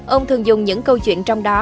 ông thường dùng những câu chuyện trong đó